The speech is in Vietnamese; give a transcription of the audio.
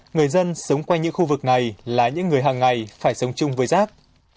người dân sống quanh những khu vực này là những người hàng ngày phải sống chung với rác